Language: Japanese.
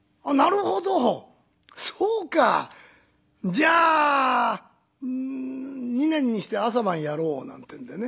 じゃあ２年にして朝晩やろう」。なんていうんでね。